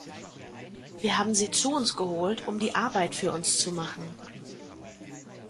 Wir haben sie zu uns geholt, um die Arbeit für uns zu machen.